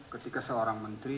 ketika seorang menteri